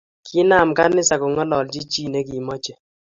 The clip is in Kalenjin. Kinem kanisa kongalachi chi ne kimeche